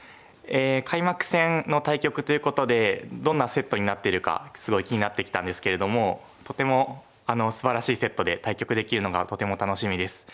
開幕戦の対局ということでどんなセットになってるかすごい気になって来たんですけれどもとてもすばらしいセットで対局できるのがとても楽しみです。